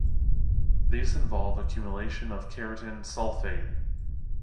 These involve accumulation of keratan sulfate.